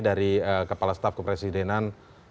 dari kepala staf kepresidenan